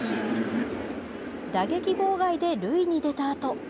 打撃妨害で塁に出たあと。